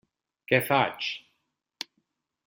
Què faig?